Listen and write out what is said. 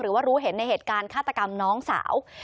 รู้เห็นในเหตุการณ์ฆาตกรรมน้องสาว